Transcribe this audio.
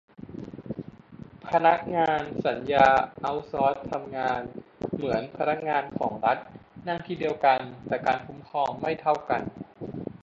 พนักงานสัญญาเอาต์ซอร์สทำงานเหมือนพนักงานของรัฐ นั่งที่เดียวกัน แต่การคุ้มครองไม่เท่ากัน